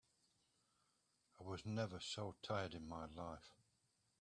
I was never so tired in my life.